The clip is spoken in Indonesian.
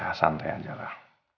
ya santai aja lah